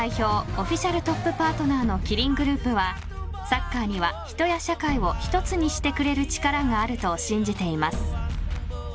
オフィシャルトップパートナーのキリングループはサッカーには人や社会を１つにしてくれる力があると信じています。